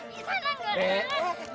di sana gak ada